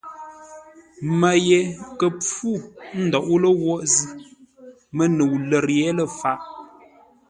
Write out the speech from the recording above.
Mə́ ye kə̂ mpfú ńdóʼó ləwoʼ zʉ́, Mə́nəu lə̂r yé lə̂ faʼ.